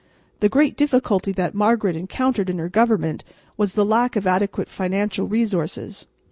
The great difficulty that Margaret encountered in her government was the lack of adequate financial resources.